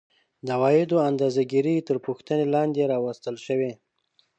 د عوایدو اندازه ګیري تر پوښتنې لاندې راوستل شوې